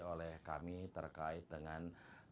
oleh kami terkait dengan